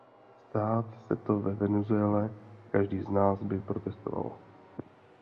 Stát se to ve Venezuele, každý z nás by protestoval.